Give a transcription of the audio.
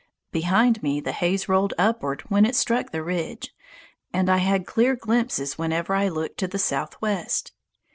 Behind me the haze rolled upward when it struck the ridge, and I had clear glimpses whenever I looked to the southwest.